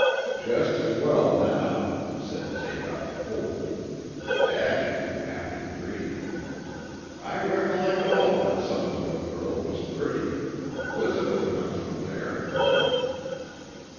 'Just as well now,' said Zadoc coldly; adding, half in dream, 'I recollect all them Somesville girls was pretty. 'Lizabeth come from there.'